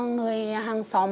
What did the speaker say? người hàng xóm